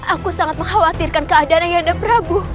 aku sangat mengkhawatirkan keadaan ayah anda prabu